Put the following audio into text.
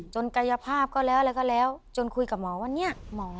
จนกายภาพก็แล้วจนคุยกับหมอว่านี่